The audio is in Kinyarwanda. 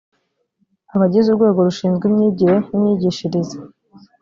abagize urwego rushinzwe imyigire n imyigishirize